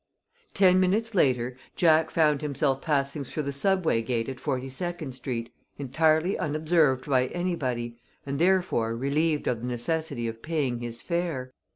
Ten minutes later Jack found himself passing through the Subway gate at Forty second Street, entirely unobserved by anybody, and therefore relieved of the necessity of paying his fare.